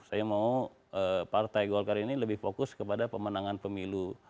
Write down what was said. saya mau partai golkar ini lebih fokus kepada pemenangan pemilu